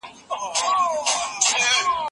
خوب د ملا د وجود ستړیا له منځه وړي.